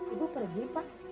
ibu pergi pak